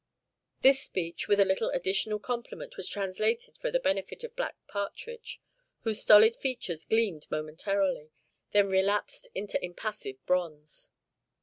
This speech, with a little additional compliment, was translated for the benefit of Black Partridge, whose stolid features gleamed momentarily, then relapsed into impassive bronze.